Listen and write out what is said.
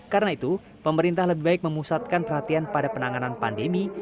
karena itu pemerintah lebih baik memusatkan perhatian pada penanganan pandemi